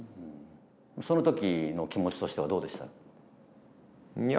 その時の気持ちとしてはどうでした？